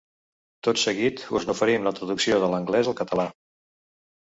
Tot seguit us n’oferim la traducció de l’anglès al català.